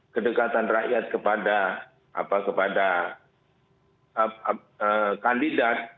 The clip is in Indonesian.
kedekatan rakyat kepada kandidat